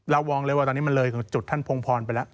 วองเลยว่าตอนนี้มันเลยของจุดท่านพงพรไปแล้ว